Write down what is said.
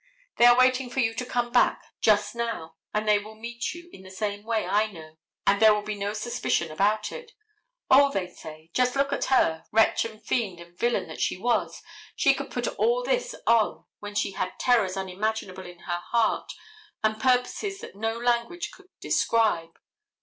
They are waiting for you to come back just now, and they will meet you in the same way I know, and there will be no suspicion about it. O, they say, just look at her, wretch and fiend and villain that she was, she could put all this on when she had terrors unimaginable in her heart and purposes that no language could describe.